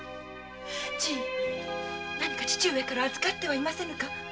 何か父上から預かってはいませぬか？